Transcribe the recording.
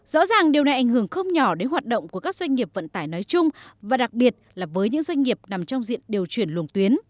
rõ ràng điều này ảnh hưởng không nhỏ đến hoạt động của các doanh nghiệp vận tải nói chung và đặc biệt là với những doanh nghiệp nằm trong diện điều chuyển luồng tuyến